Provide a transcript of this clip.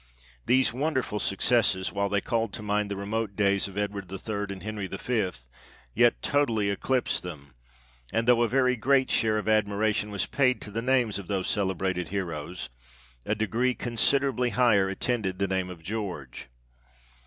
These wonderful successes, while they called to mind the remote days of Edward the Third and Henry the Fifth, yet totally eclipsed them ; and though a very great share of admiration was paid to the names of those celebrated heroes, a degree con siderably higher attended the name of George.